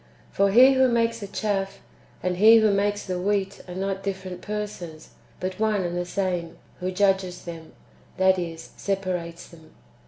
"^ For He who makes the chaff and He who makes the wheat are not different persons, but one and the same, who judges them, that is, separates them.